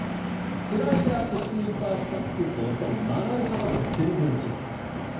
スライダーとスイーパーを比較するとやっぱり曲がり幅が全然違う。